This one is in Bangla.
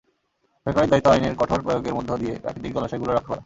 সরকারের দায়িত্ব আইনের কঠোর প্রয়োগের মধ্য দিয়ে প্রাকৃতিক জলাশয়গুলো রক্ষা করা।